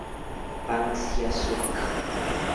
Banksia subg.